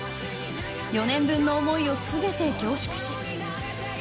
４年分の思いを全て凝縮し。